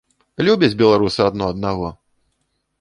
Любяць беларусы адно аднаго!